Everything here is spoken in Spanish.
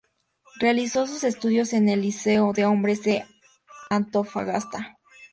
Realizó sus estudios en el Liceo de Hombres de Antofagasta.